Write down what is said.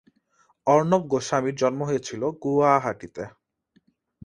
অর্ণব গোস্বামীর জন্ম হয়েছিল গুয়াহাটিতে।